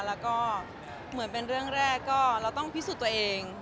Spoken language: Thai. แล้วก็เหมือนเป็นเรื่องแรกก็เราต้องพิสูจน์ตัวเอง